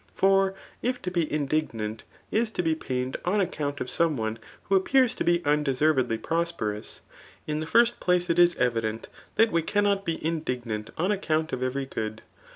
^ For if to be indignant is to be pained on account of some one who appears to be undeservedly prosperoius, in the first place it is evident, that we cannot be indignant on account of every good.